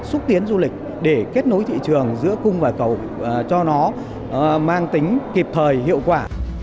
xúc tiến du lịch để kết nối thị trường giữa cung và cầu cho nó mang tính kịp thời hiệu quả